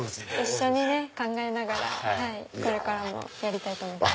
一緒にね考えながらこれからもやりたいと思ってます。